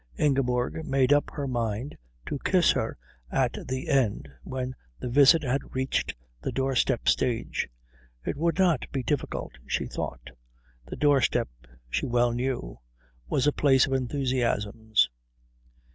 Ingeborg made up her mind to kiss her at the end when the visit had reached the doorstep stage. It would not be difficult, she thought. The doorstep, she well knew, was a place of enthusiasms.